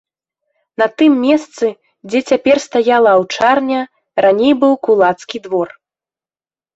На тым месцы, дзе цяпер стаяла аўчарня, раней быў кулацкі двор.